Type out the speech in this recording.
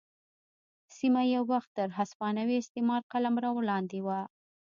سیمه یو وخت تر هسپانوي استعمار قلمرو لاندې وه.